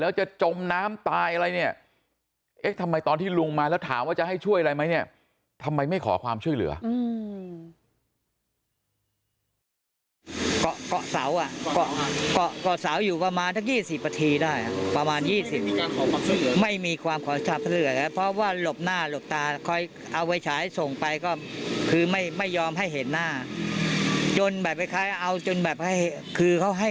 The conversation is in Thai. เกาะเกาะเกาะเกาะเกาะเกาะเกาะ